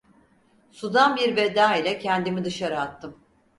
Sudan bir veda ile kendimi dışarı attım.